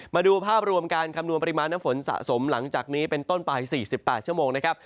มาดูภาพรวมการคำนวณปริมาณน้ำฝนสะสมหลังจากนี้เป็นต้นไป๔๘ชั่วโมงนะครับ